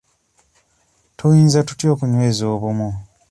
Tuyinza tutya okunyeza obumu?